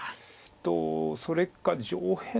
あとそれか上辺。